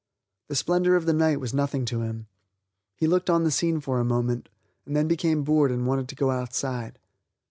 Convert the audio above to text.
The splendor of the night was nothing to him; he looked on the scene for a moment, and then became bored and wanted to go outside.